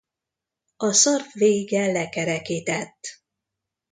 A szarv vége lekerekített.